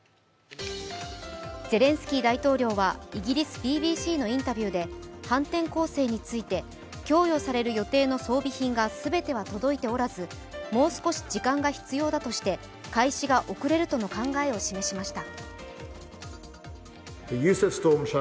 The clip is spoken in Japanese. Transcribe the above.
ゼレンスキー大統領はイギリスＢＢＣのインタビューで反転攻勢について、供与される予定の装備品が全ては届いておらず、もう少し時間が必要だとして開始が遅れるとの考えを示しました。